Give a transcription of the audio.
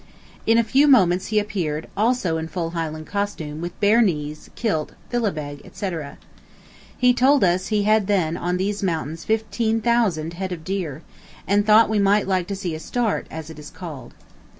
In a few moments he appeared also in full Highland costume with bare knees, kilt, philibeg, etc. He told us he had then on these mountains 15,000 head of dear, and thought we might like to see a start, as it is called.